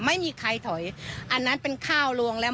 ไม่มีใครถอยอันนั้นเป็นข้าวลวงแล้ว